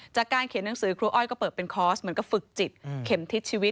จากการเขียนหนังสือครูอ้อยก็เปิดเป็นคอร์สเหมือนกับฝึกจิตเข็มทิศชีวิต